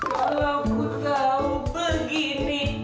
kalau ku tahu begini